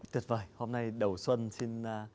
tuyệt vời hôm nay đầu xuân xin